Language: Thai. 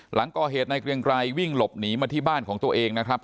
หลังก่อเหตุนายเกรียงไกรวิ่งหลบหนีมาที่บ้านของตัวเองนะครับ